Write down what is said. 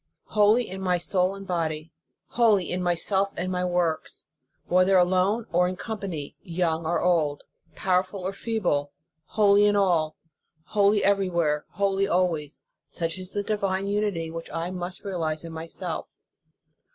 Holy in my soul and body, holy in myself and my works, whether alone or in company, young or old, powerful or feeble, holy in all, holy everywhere, holy always; such is the divine unity which I must realize in myself.